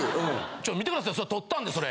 ちょっと見てください撮ったんでそれ。